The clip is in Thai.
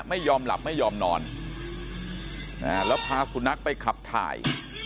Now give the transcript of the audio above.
ไม่ยอมหลับไม่ยอมนอนแล้วพาสุนัขไปขับถ่าย